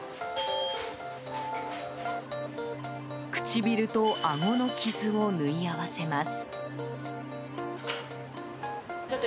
唇と、あごの傷を縫い合わせます。